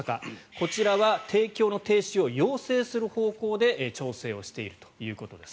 こちらは提供の停止を要請する方向で調整しているということです。